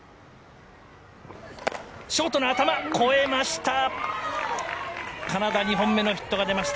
ショートの頭、越えました！